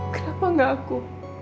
kenapa gak aku